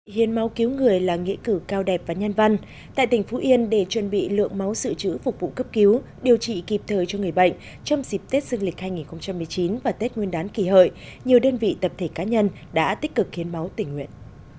hiến máu cứu người là nghĩa cử cao đẹp và nhân văn tại tỉnh phú yên để chuẩn bị lượng máu dự trữ phục vụ cấp cứu điều trị kịp thời cho người bệnh trong dịp tết dương lịch hai nghìn một mươi chín và tết nguyên đán kỳ hợi nhiều đơn vị tập thể cá nhân đã tích cực hiến máu tình nguyện